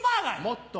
もっと。